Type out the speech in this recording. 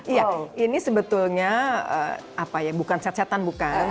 iya ini sebetulnya bukan set setan bukan